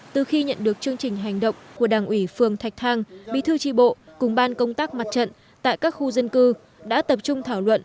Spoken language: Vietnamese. từ khi nhận được chương trình hành động của đảng ủy phường thạch thang bí thư tri bộ cùng ban công tác mặt trận tại các khu dân cư đã tập trung thảo luận